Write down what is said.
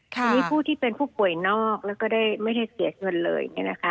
ทีนี้ผู้ที่เป็นผู้ป่วยนอกแล้วก็ได้ไม่ได้เสียเงินเลย